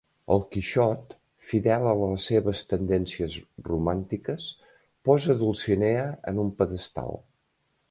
El Quixot, fidel a les seves tendències romàntiques, posa Dulcinea en un pedestal.